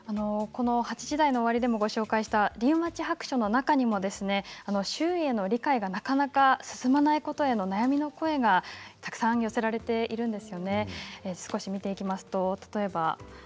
先ほどご紹介した「リウマチ白書」の中にも周囲の理解がなかなか進まないことへの悩みの声がたくさん寄せられています。